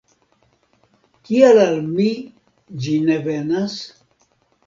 Kial al mi ĝi ne venas?